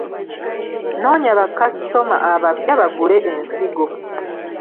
Noonya bakasitoma abapya bagule ensigo.